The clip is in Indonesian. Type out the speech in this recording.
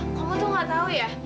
aduh kamu tuh nggak tahu ya